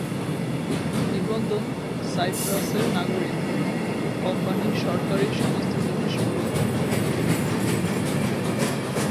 নিবন্ধন সাইপ্রাসের নাগরিক, কম্পানি, সরকারি সংস্থার জন্য সীমাবদ্ধ।